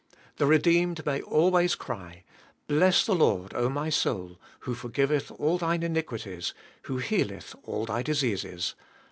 The redeemed may always cry: "Bless the Lord, O my sonl ... who fwgiveili all thine iniquities, who healeth all thy di Besses" (Ps.